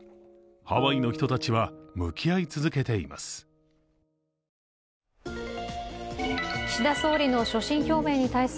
ハワイの人たちは向き合い続けています。